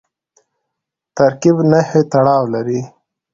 ترکیب نحوي تړاو لري.